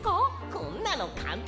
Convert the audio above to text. こんなのかんたんだよ。